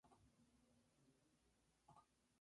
Su primer single fue "Sólo tú".